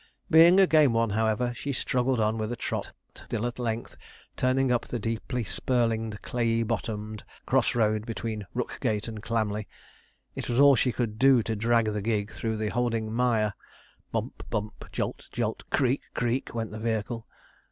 Being a game one, however, she struggled on with a trot, till at length, turning up the deeply spurlinged, clayey bottomed cross road between Rookgate and Clamley, it was all she could do to drag the gig through the holding mire. Bump, bump, jolt, jolt, creak, creak, went the vehicle.